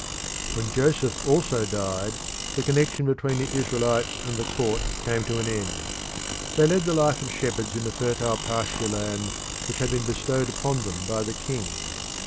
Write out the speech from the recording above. When Joseph also died the connection between the Israelites and the court came to an end. They led the life of shepherds in the fertile pasturelands which had been bestowed upon them by the king.